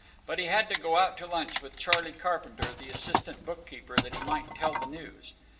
But he had to go out to lunch with Charley Carpenter, the assistant bookkeeper, that he might tell the news.